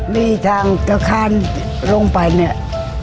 มีทางทะครลงไปเนี่ย